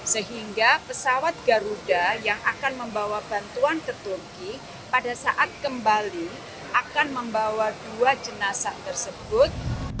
sehingga pesawat garuda yang akan membawa bantuan ke turki pada saat kembali akan membawa dua jenazah tersebut